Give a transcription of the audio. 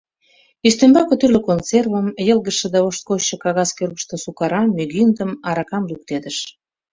Ӱстембаке тӱрлӧ консервым, йылгыжше да вошткойшо кагаз кӧргыштӧ сукарам, мӱгиндым, аракам луктедыш.